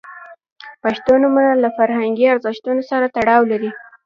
• پښتو نومونه له فرهنګي ارزښتونو سره تړاو لري.